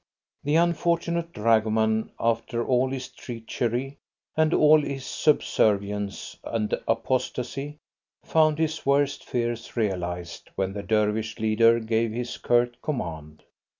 The unfortunate dragoman, after all his treachery and all his subservience and apostasy, found his worst fears realised when the Dervish leader gave his curt command.